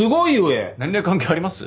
年齢関係あります？